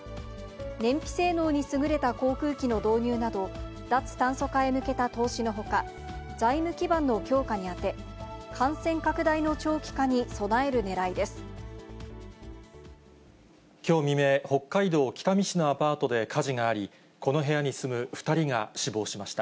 燃費性能に優れた航空機の導入など、脱炭素化へ向けた投資のほか、財務基盤の強化に充て、感染拡大きょう未明、北海道北見市のアパートで火事があり、この部屋に住む２人が死亡しました。